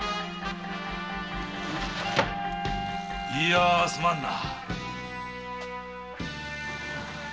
いやすまんな。